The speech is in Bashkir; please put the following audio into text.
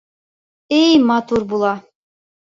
Эй матур була.